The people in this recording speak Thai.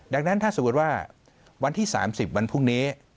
ดังนั้นถ้าสมมติว่าวันที่๓๐วันพรุ่งนี้